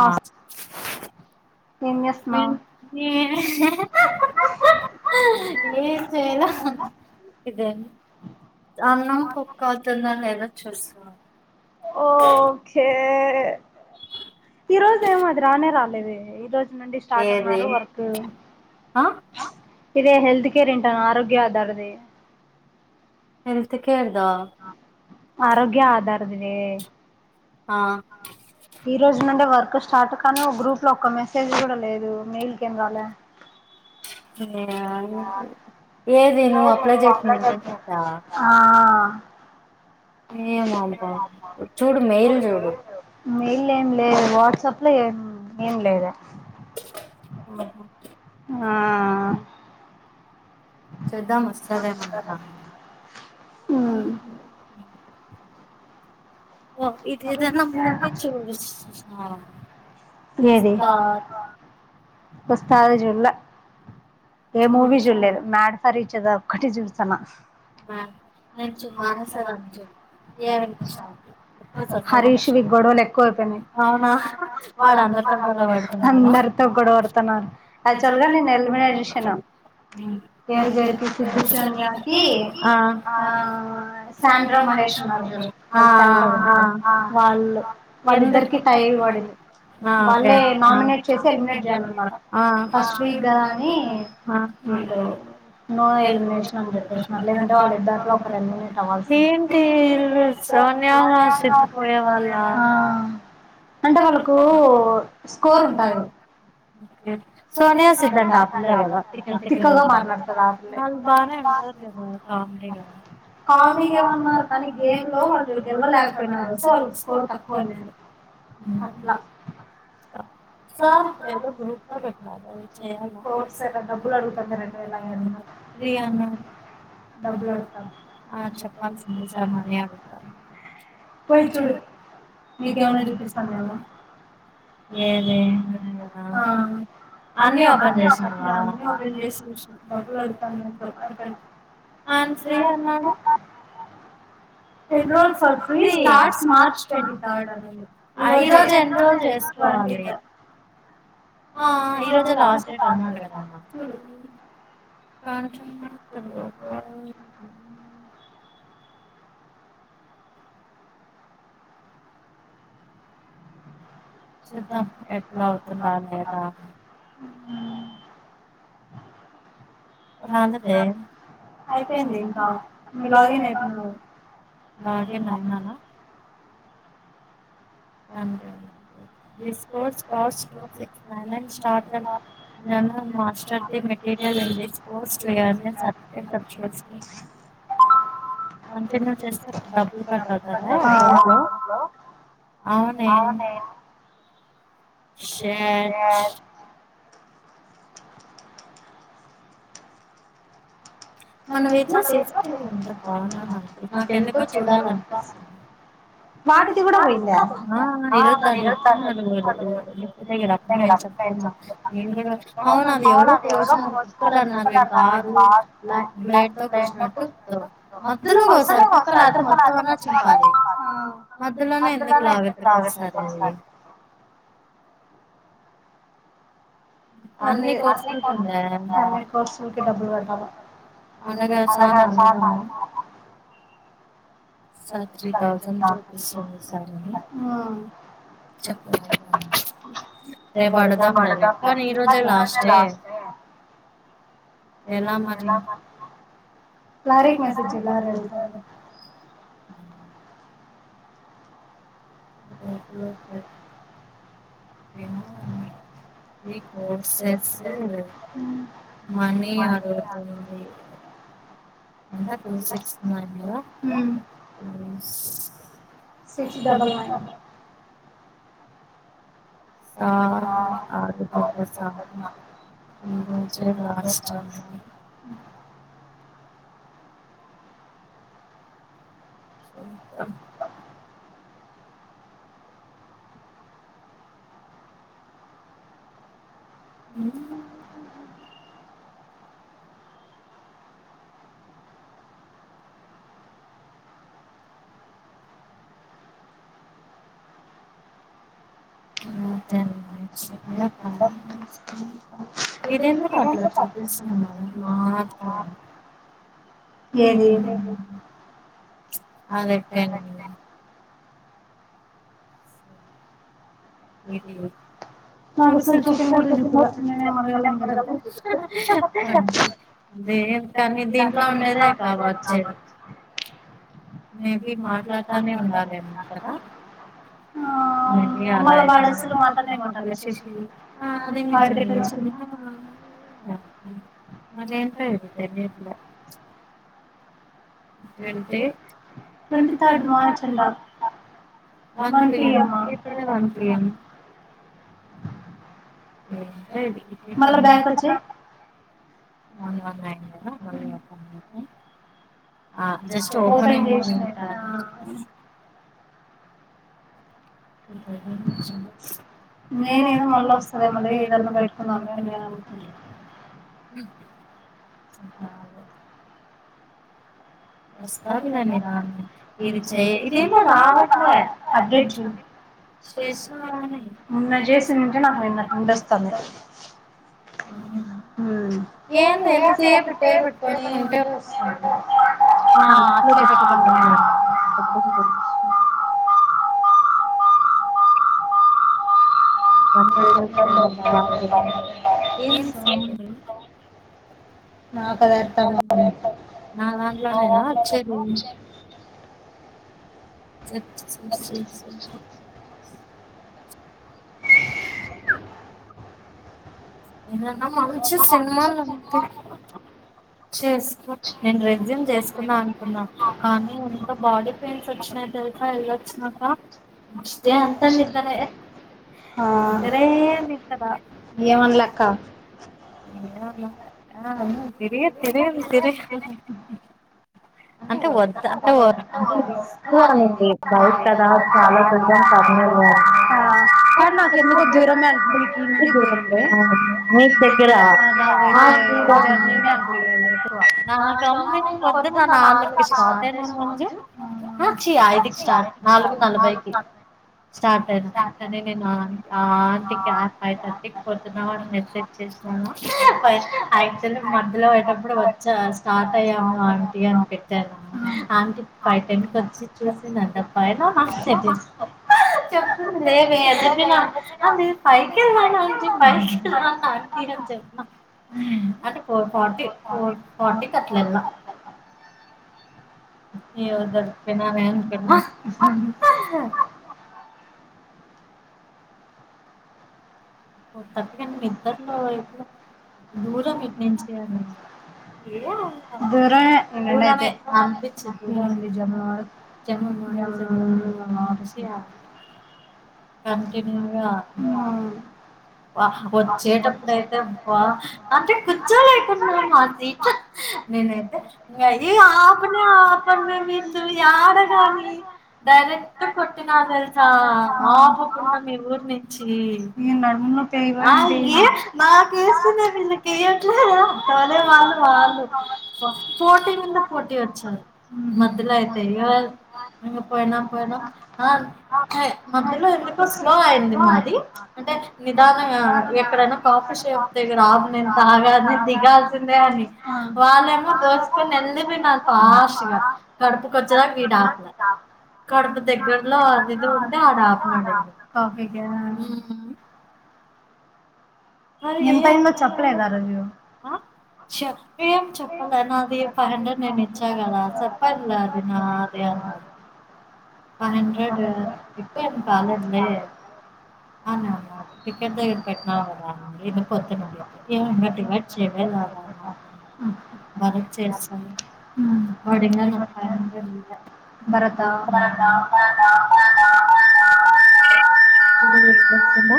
ఆ ఏ చయలా ఇదే అన్నం కుక్క అవుతుందని ఎలా చూస్తున్నారు ఈ రోజ ఏమో అది రానే రాలేదు ఈ రోజు నుండి స్టార్ట్ ఉన్నారు వర్క్ ఆ ఇదే హెల్త్ కేర్ ఏంట ఆరోగ్య అదార్ది ఎల్త్ కే ఆరోగ్య ఆధార దే ఆ ఈ రోజు నుంే వర్క్ స్టార్ట్ కానీ ఒక గ్రూప్ లో ఒక్క మే [unintelligible] కూడా లేదు మెయిల్ కేందరాలా ఏది నువ్వు అప్లై చేస్తుంది ఏంటని చెప్పా ఏమమ్బ చూడు మెయిల్ చూడు మెయిల్ ఏం లేదు వాట్సాప్ లో ఏ ఏం లేదు ఆా ఆ సద్దా మసాల మన ఆ ఇదేదాన్న మూవి చూ ఏదీ [unintelligible] ఏ మూవీ చూడలేరు మడ్స రీచ్దా ఒక్కటి చూసాను [unintelligible] హరీష్వి గొడవలు ఎక్కువ అయిపోయినాయి అందరు గడ పడుతున్నారు యాక్చువల్ గా నేను ఎలిమినేేషన్ [unintelligible] సిద్ధు సోనియాకి ఆ శాండ్రా మహేష్ ఉన్నారు చూడు వాళ్ళు వాళ్ళిద్దరికి టై పడిం వాళ్ళే నామినేట్ చేసి ఎలిమినేట్ చేయాలన్నమాట ఫస్ట్ వీక్ కదా అని ఓకే ఓకే నో ఎలిమినేషన్ అని చెప్పేసినారు లేదంటే అంటే వాళ్ళిద్దరిలో ఒకరు ఎలిమినేట్ అవ్వాల్సిందే [unintelligible] ఆహా అంటే వాళ్ళకు స్కోర్ ఉంటాది సోనియా సిద్ధ అంట తిక్కగా మాట్లాడతదా ఆ ఆ పిల్ల [inaudible] కామెడీ గా ఏమున్నది అది గేమ్ లో వాళ్ళు గెలవలేక పోయినవాళ్లు వస్తే వాళ్లకు స్కోర్ తక్కువ [unintelligible] డబ్బులు అడుగుతుంది రెండు వేల ఐదు వందలు రియానా డబ్బులు [inaudible] పోయి చూడు మీకేమనా వినిపిస్తందిమో ఎం చేయను ఆ అన్ని ఓపెన్ చేసి [unintelligible] స్టార్స్ మార్చి ట్వంటీ థర్డ్ అనుకు ఈ రోజు ఎన్రోల్ చేసుకోవాలి ఆ ఈ రోజే లాస్ట్ డేట్ అన్నాడు కదా [inaudible] [unintelligible] చూద్దాం ఎట్లా అవుతుందో ఉహు అయితే అయిపోయింది ఇంకా నేన్ లాగిన్ అవుతున్న లాగిన్ అవ్వ [inaudible] [unintelligible] [unintelligible] టోటో కంటిన్యూ చేస్తే డబ్బులు కట్ అవుతే అకౌంట్లో అవునే [unintelligible] మనం ఇటు పోతాయి నాకెందుకో చూడాల అనిపిస్తు వాటి కూడా పోయిందా ఆ [unintelligible] అవును అది ఎవరో దోసినారు నాది కాదు [unintelligible] అ మధ్యలోనే అయిందిఅక్క [unintelligible] అ అన్ని అన్ని కోర్స్ లకి డబ్బులు కట్టాల అదే గాధ [unintelligible] [unintelligible] చెప్పు ఇగ పడుకో [unintelligible] ఎలా అన్నారు ఇందాక అసలు లారీకి మెసేజ్ చెయ్ లారీ అడుగుతాది [unintelligible] తిన్నావా [unintelligible] హు మని అడుగుడు ఇందాక హిల్స్ వేసుకున్నావు కదా హు సిక్స్ డబల్ నైన్ సార్ ని హాజర్ చెప్పాడు సార్ కి ఈరోజే లాస్ట్ అంట చేత హు ఎన్ ఇదెందుకట్లా చుపిస్తునర్ మర్ తొల్ న్ ఏది చ్ అద్ ఎక్కన్ మీ ఇల్లు నాద్ అస్ ల్ చూపించట్లేదు పో నేన్ ఎమ్ అడగలేన్ అడగలేన్ దియట్ లో ఉండేదే కావోచు మేబి మాట్లాడతానే ఉండాలేమో కదా ఆ మేబి అలాయే మార్ తలే మార్ తలే శశి ఆ అదేమీ వడ్ కెటీచ్చిరు మర్ ఏంటో ఇది తెల్ యట్లే ఏంటే టోంటి తాడ్ మార్ చంట ట్వంటి అమ్మ హే మళ్ళ బ్యాకోచ్చయి వన్ వన్ ఐతా వన్ లోక హ్మ్ ఆ జస్టు ఓపెన్ జెస్ తాన్ ఆ ఈ కాయ్ నంచూన్ నేనేమో మళ్ళ వస్తద్ అన్ ముందే మల్ బెట్ కున్నాను అని కాదు వస్తా తపిన్ అన్ విత ఇది చెయ్ ఇదేందో రావట్లే అడేట్ జెయి చెస్ నావే నిన్న జెసిన్ ఉనయ్ ఎల్ లోస్తను హుమ్ ఉమ్ ఏంది మ్య సిరా కుట్టేపీస్ కొని ఉంటే వస్ తాన్ ఆ అంచుల్లో ఆ పెట్టు స్ కో ఏందీ సౌండు నాక్ అద్ అర్ దమ్ నా దాంట్లో చెప్ ఎదాన్నా మంచి సిస్ మ సూపి చేసుకో నేన్ రెస్యుమ్ చేసుకుందా అనుకున్నాను కానీ ఇంత బాడీ పెన్స్ వచ్చినయ్ ఆ టోల్ ఫై ఎల్ లోచ్ నంక చ్ డే అంత నీదరే హే నీదరే నిదర ఎమ్ అన్ లే ఎమ్ లన్ లన్ లే ఆ ను తిరి తిర్ యుల్ తిరి హుమ్ అంటే వోద్ద టావో దూరం నుండి బైక్ కదా చాలా దూర కాకి నాడ్ లో ఔను ఆ దూరమ్ లే ఔను మీక్ దేగ్గరా ఆ ఉర్ నా డౌన్ లైన్ పొద్దునా నాల్ గంట్ లకి స్టార్ట్ అయిన మంజు ఓక్ చ్చి ఐది క్ స్టార్ట్ నాలుగు నలభైకి స్టార్ట్ అయిన ఆ నేనేన్ ఆ ఆరిన్ టిక్ క్య ఫై థర్టీ పోతున్నవన్ మెసేజ్ చేసారా పాయ యాక్ చల్ గా మేం మధ్యలో యేటప్పుడు వచ్చ స్టార్ట్ అయ్యాము ఆంటీ అని పెట్టారు ఆంటీ ఫై టెన్ కోచ్చి చూసిన్ దంట పైనా మన్ చేతిన్ చెప్ తుందే లేవే జెపిన ఆనీర్ పైకెలాన్ అంటి పై తుల్ వామ్ కార్ తి గాని జెర్ నా అంటే ఫోర్ ఫార్టీ ఫోర్ ఫార్టీకి అట్ల ఎల్ నా యో దోర్ క్ పెయిన అవేం ఉంచ్ కోద్ సకెన్ నిద్దట్ లో దూరం నించి ఓ దూరమే ఇంగ్ అటైతే పంపిచ్చు హ్మ్ వాపసియాలా కంటిన్యూ గా ఉమ్ హ వా వోచ్చేటప్పుడయితే అబ్బా అంటే కూచ్చు లేక్ పోతున్నం ఆ సిట్ లా [unintelligible] డైరెక్ట్ కొట్టిన తెలుసా ఆపకుండా మీ ఊరు నుంచి [unintelligible] మాకు ఇస్తున్న వీళ్ళకి ఇయ్యట్లేదా పోటీమీద పోటీ వచ్చారు మధ్యలో అయితే ఇగ పోయినం పోయిన ఆ మధ్యలో ఎందుకో స్లో అయింది మాది అంటే నిదానంగా ఎక్కడైనా కాఫీ షాపు దగ్గర ఆపు నేను తాగా దిగాల్సిందే అని వాళ్ళేమో దోసుకుని నెల్లిపోనారూ ఫాస్ట్గా కడపుకొచ్చలా గీడాపాల కడుపు దగ్గర్లో ఇద్దరుంటే ఆడ ఆపినాడు కాఫీ కేనా ఎంతైందో చెప్పలేదా ఆ రోజు చెప్ప చెప్పదనా అది ఫైవ్ హండ్రెడ్ నేను ఇచ్చా కదా చెప్పలే అది నా అద అ ఫైవ్ హండ్రెడ్ ఎక్కువేం బాలేదులే [unintelligible] [unintelligible] భారత్ ఆ భరత [unintelligible] నువు ఎప్పుడొస్తామో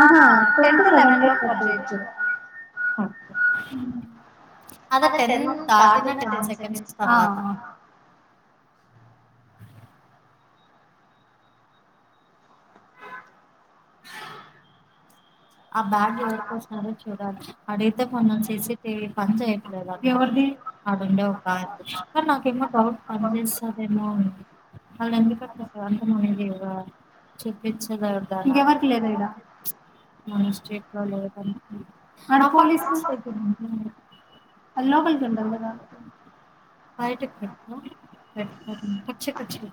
ఆహా అట్టైతే లెవెన్ లోపు కట్ చేయి అయితే [unintelligible] అదే టెన్ ను దాటిన టెన్ సెకండ్స్ ఆ [inaudible] [inaudible] ఆ బ్యాగ్ ఎవర్కొసినరో చూడాలి అడిగితే మొన్న సీసీ టీవీ పని చేయట్లేదు అన్నారు అడుండే ఒక ఆయనది నాకేమో డౌట్ పనిచేస్తుదేమో వాళ్ళు ఎందుకట్లా ఉన్నది అంతా ముందే కదా చెప్పించ లేదానా మన స్టేట్ లో లేదన్న అది లోపలి కనబడదుగా బయట పెట్టు కచ్చా కచ్చా గా